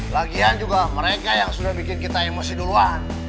lagian juga mereka yang sudah bikin kita emosi duluan